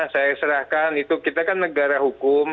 saya serahkan itu kita kan negara hukum